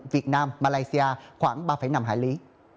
việt nam malaysia khoảng ba năm hải lý